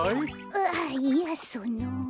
ああいやその。